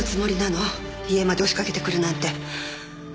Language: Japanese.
家まで押しかけてくるなんて。